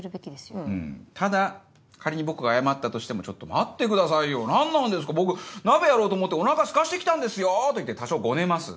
ただ仮に僕が謝ったとしても「ちょっと待ってくださいよ何なんですか僕鍋やろうと思ってお腹すかして来たんですよ！」と言って多少ゴネます。